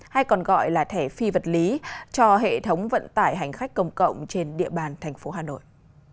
hay còn gọi là thẻ phi vật lý cho hệ thống vận tải hành khách công cộng trên địa bàn thành phố hà nội